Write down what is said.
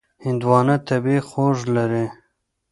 هندوانه طبیعي خوږ لري.